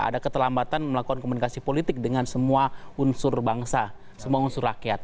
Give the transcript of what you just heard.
ada keterlambatan melakukan komunikasi politik dengan semua unsur bangsa semua unsur rakyat